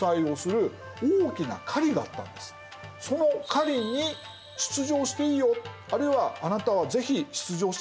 「その狩りに出場していいよ」あるいは「あなたは是非出場してください」